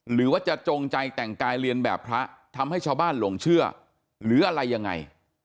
หรือว่าจะจงใจแต่งกายเรียนแบบพระทำให้ชาวบ้านหลงเชื่อหรืออะไรยังไง